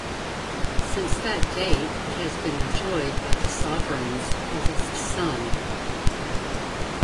Since that date it has been enjoyed by the Sovereign's eldest son.